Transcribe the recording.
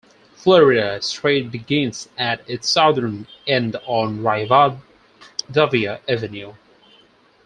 Florida Street begins at its southern end on Rivadavia Avenue.